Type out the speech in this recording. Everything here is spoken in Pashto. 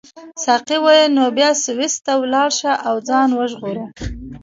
ساقي وویل نو بیا سویس ته ولاړ شه او ځان وژغوره.